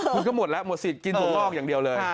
คุณก็หมดแล้วหมดสิทธิ์กินถั่วงอกอย่างเดียวเลย